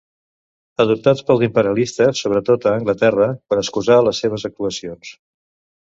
Adoptat pels imperialistes, sobretot a Anglaterra, per excusar les seves actuacions.